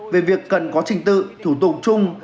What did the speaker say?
về việc cần có trình tự thủ tục chung